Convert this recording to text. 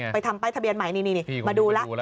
ทำป้ายทะเบียนใหม่นี่มาดูแล้ว